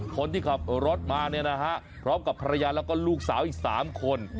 คนที่ขับรถมาเนี่ยนะฮะพร้อมกับภรรยาแล้วก็ลูกสาวอีก๓คน